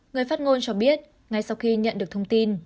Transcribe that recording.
người phát ngôn cho biết ngay sau khi nhận được thông tin